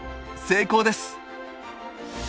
成功です！